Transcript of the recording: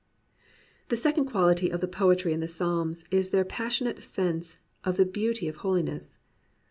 The second quality of the poetry in the Psalms is their passionate sense of the beauty of hoKness.